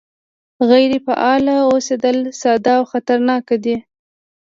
غیر فعال اوسېدل ساده او خطرناک دي